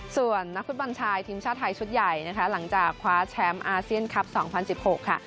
ส่วนนักฟุตบอลชายทีมชาติไทยชุดใหญ่นะคะหลังจากคว้าแชมป์อาเซียนคลับ๒๐๑๖ค่ะ